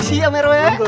iya pak rw